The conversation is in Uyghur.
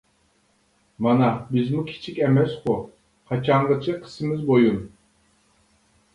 مانا بىزمۇ كىچىك ئەمەسقۇ، قاچانغىچە قىسىمىز بويۇن.